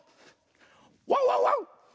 ワンワンワン！